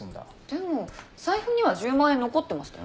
でも財布には１０万円残ってましたよ。